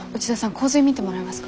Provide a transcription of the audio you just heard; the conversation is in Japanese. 洪水見てもらえますか？